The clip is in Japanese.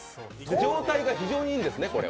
状態が非常にいいんですね？